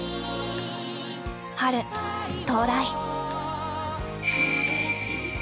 春到来。